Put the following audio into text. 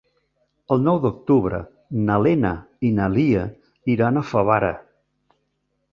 El nou d'octubre na Lena i na Lia iran a Favara.